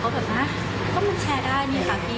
เดานานกับศุษย์บ่าย